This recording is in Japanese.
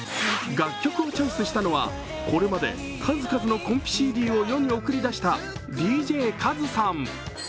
楽曲をチョイスしたのはこれまで数々のコンビＣＤを世に送り出したＤＪ和さん。